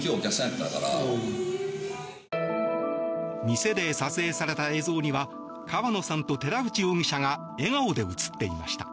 店で撮影された映像には川野さんと寺内容疑者が笑顔で映っていました。